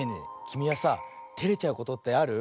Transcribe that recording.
きみはさテレちゃうことってある？